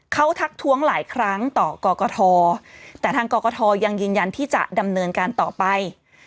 เขาทักท้วงหลายครั้งต่อกรกฐแต่ทางกรกทยังยืนยันที่จะดำเนินการต่อไป